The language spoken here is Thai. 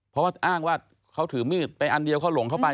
เพราะว่าอ้างว่าเขาถือมีดไปอันเดียวเขาหลงเข้าไป